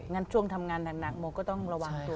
งั้นช่วงทำงานดังโมก็ต้องระวังตัวเนี้ย